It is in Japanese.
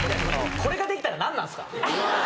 これができたら、何なんですか。